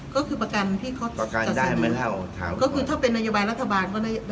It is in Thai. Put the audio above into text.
ก็คือประกันที่เขาประกันก็คือถ้าเป็นนโยบายรัฐบาลก็ได้